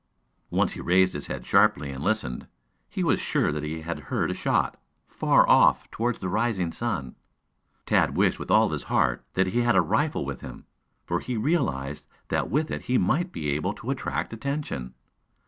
Once he raised his head sharply and listened. He was sure that he had heard a shot, far off toward the rising sun. Tad wished with all his heart, that he had his rifle with him, for he realized that with it he might be able to attract attention.